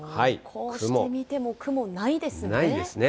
こうして見ても、雲ないですね。